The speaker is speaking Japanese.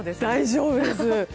大丈夫です。